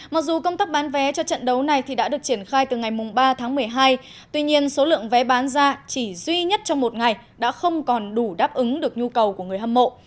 mặc dù công tác bán vé cho trận đấu này đã được triển khai từ ngày ba tháng một mươi hai tuy nhiên số lượng vé bán ra chỉ duy nhất trong một ngày đã không còn đủ đáp ứng được nhu cầu của người hâm mộ